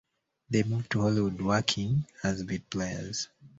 They moved to Hollywood, working as bit players.